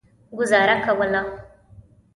ګوزاره کوله.